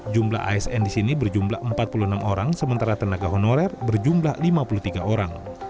jumlah asn di sini berjumlah empat puluh enam orang sementara tenaga honorer berjumlah lima puluh tiga orang